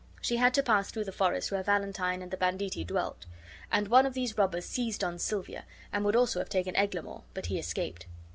She had to pass through the forest where Valentine and the banditti dwelt; and one of these robbers seized on Silvia, and would also have taken Eglamour, but he escaped.